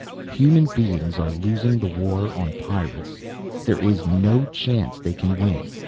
"Human beings are losing the war on Pyrrus. There is no chance they can win.